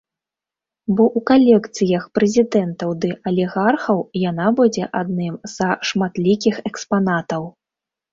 Бо ў калекцыях прэзідэнтаў ды алігархаў яна будзе адным са шматлікіх экспанатаў.